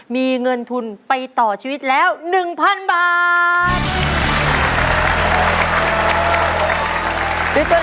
มีเงินทุนไปต่อชีวิตแล้ว๑๐๐๐บาท